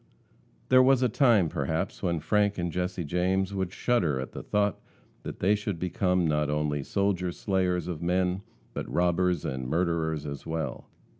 There was a time, perhaps, when Frank and Jesse James would shudder at the thought that they should become not only soldier slayers of men, but robbers and murderers as well.